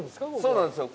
そうなんですよ。